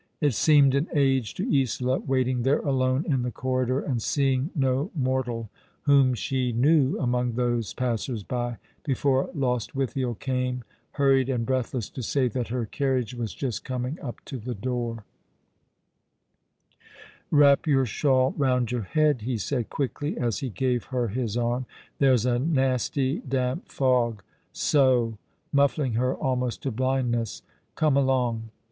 It seemed an age to Isola, waiting there alone in the corridor, and seeing no mortal v/hom she knew among tliose passers by, before Lostwithiel came, hurried and breathless, to say that her carriage was just coming up to the doo?*. ^' yl Love still burning npwardr ']'^" Wrap your shawl round your head," he said quickly, as he gave her his arm. "There's a nasty damp fog — so," muffling her, almost to blindnes?!. " Come along."